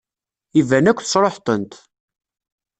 Iban akk tesṛuḥeḍ-tent.